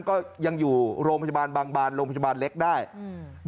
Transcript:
ก็ยังอยู่โรงพยาบาลบางบานโรงพยาบาลเล็กได้อืม